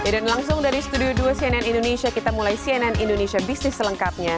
dan langsung dari studio dua cnn indonesia kita mulai cnn indonesia bisnis selengkapnya